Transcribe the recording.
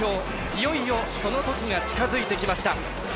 いよいよその時が近づいてきました。